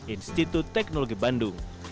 institut teknologi bandung